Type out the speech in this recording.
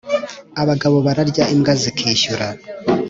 Abagabo bararya imbwa zikishyura.